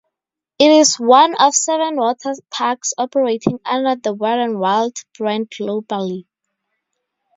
It is one of seven water parks operating under the Wet'n'Wild brand globally.